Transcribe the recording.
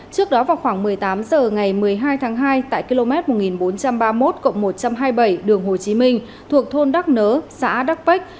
trước đó vào khoảng một mươi tám h ngày một mươi hai tháng hai tại km một nghìn bốn trăm ba mươi một một trăm hai mươi bảy đường hồ chí minh thuộc thôn đắc nớ xã đắc